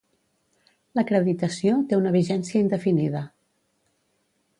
L'acreditació té una vigència indefinida.